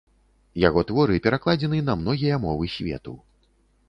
Яго творы перакладзены на многія мовы свету.